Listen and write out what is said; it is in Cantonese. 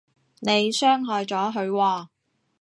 你傷害咗佢喎